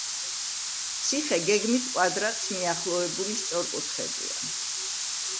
ციხე გეგმით კვადრატს მიახლოებული სწორკუთხედია.